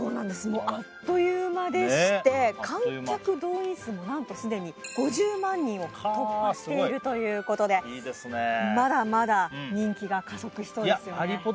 もうあっという間でして観客動員数も何と既に５０万人を突破しているということでまだまだ人気が加速しそうですよね